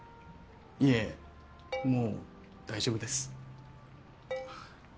いえもう大丈夫です。